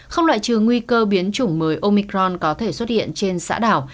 không loại trừ nguy cơ biến chủng mới omicron có thể xuất hiện trên xã đảo